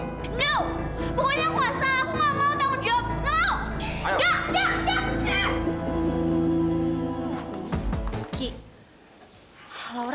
no pokoknya kuasa aku nggak mau tanggung jawab nggak mau